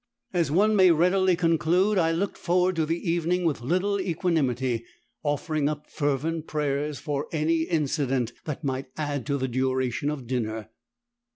As one may readily conclude I looked forward to the evening with little equanimity, offering up fervent prayers for any incident that might add to the duration of dinner.